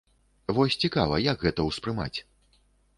Вось цікава, як гэта ўспрымаць?